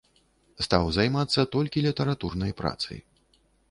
Стаў займацца толькі літаратурнай працай.